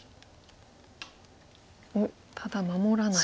おっただ守らない。